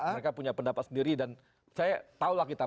mereka punya pendapat sendiri dan saya tahu lah kita